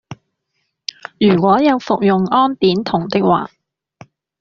如果有服用胺碘酮的話